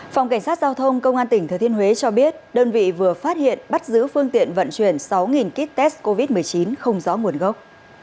phòng cảnh sát giao thông công an tỉnh thừa thiên huế cho biết đơn vị vừa phát hiện bắt giữ phương tiện vận chuyển sáu kit test covid một mươi chín không rõ nguồn gốc